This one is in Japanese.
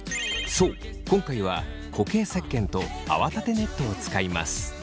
そう今回は固形せっけんと泡立てネットを使います。